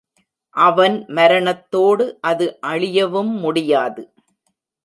அவன் மரணத்தோடு அது அழியவும் முடியாது.